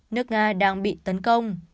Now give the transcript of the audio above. nước nga đang bị tấn công